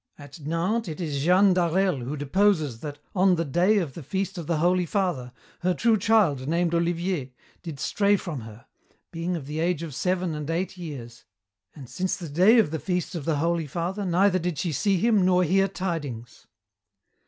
"At Nantes, it is Jeanne Darel who deposes that 'on the day of the feast of the Holy Father, her true child named Olivier did stray from her, being of the age of seven and eight years, and since the day of the feast of the Holy Father neither did she see him nor hear tidings.'